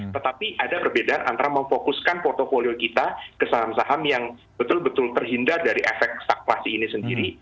tetapi ada perbedaan antara memfokuskan portfolio kita ke saham saham yang betul betul terhindar dari efek stakulasi ini sendiri